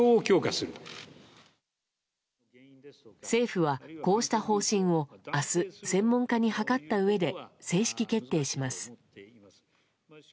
政府は、こうした方針を明日、専門家に諮ったうえで正式決定します。